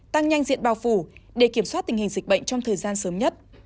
tăng nhanh diện bào phủ để kiểm soát tình hình dịch bệnh trong thời gian sớm nhất